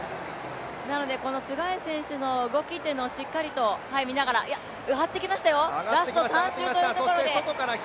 なのでツェガイ選手の動きをしっかりと見ながら上がってきましたよ、ラスト３周というところで。